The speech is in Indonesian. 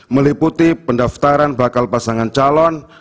meliputi pendaftaran bakal pasangan calon